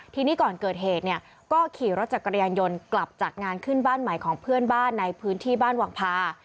ทีนี้ก่อนเกิดเหตุเนี่ยก็ขี่รถจักรยานยนต์กลับจากงานขึ้นบ้านใหม่ของเพื่อนบ้านในพื้นที่บ้านวังพา